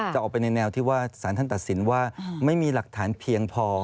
จะออกไปในแนวที่ว่าสารท่านตัดสินว่าไม่มีหลักฐานเพียงพอ